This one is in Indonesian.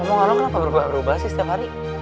ngomong ngomong lo kenapa berubah sih setiap hari